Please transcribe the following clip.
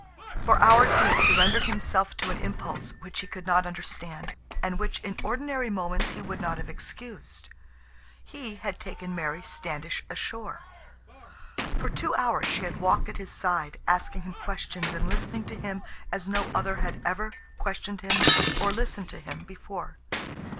For hours he had surrendered himself to an impulse which he could not understand, and which in ordinary moments he would not have excused. He had taken Mary Standish ashore. For two hours she had walked at his side, asking him questions and listening to him as no other had ever questioned him or listened to him before.